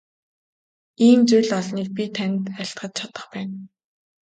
Ийм зүйл олныг би танд айлтгаж чадах байна.